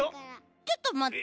ちょっとまって。